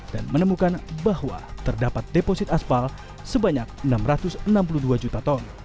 dan menemukan bahwa terdapat deposit aspal sebanyak enam ratus enam puluh dua juta ton